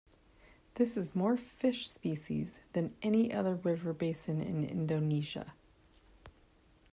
This is more fish species than any other river basin in Indonesia.